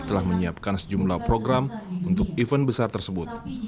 telah menyiapkan sejumlah program untuk event besar tersebut